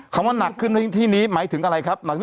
คำว่าหนักขึ้นในที่นี้หมายถึงอะไรครับ